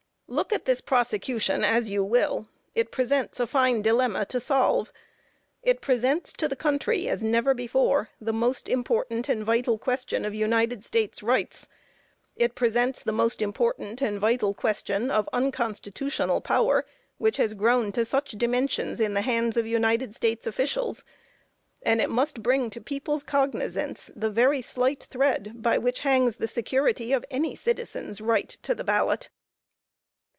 Look at this prosecution as you will, it presents a fine dilemma to solve; it presents to the country, as never before, the most important and vital question of United States rights; it presents the most important and vital question of unconstitutional power which has grown to such dimensions in the hands of United States officials; and it must bring to people's cognizance the very slight thread by which hangs the security of any citizen's right to the ballot.